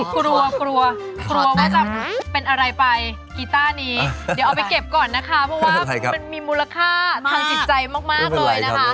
กลัวกลัวว่าจะเป็นอะไรไปกีต้านี้เดี๋ยวเอาไปเก็บก่อนนะคะเพราะว่ามันมีมูลค่าทางจิตใจมากเลยนะคะ